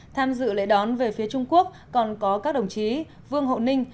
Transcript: tham dự lễ đón về phía trung quốc còn có các đồng chí vương hộ ninh